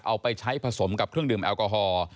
เอาไปใช้ผสมกับเครื่องดื่มแอลกอฮอล์